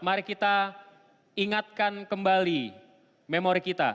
mari kita ingatkan kembali memori kita